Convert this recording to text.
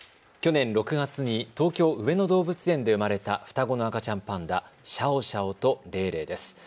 去年６月に東京・上野動物園で生まれた双子の赤ちゃんパンダ、シャオシャオとレイレイです。